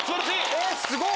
えっすごい！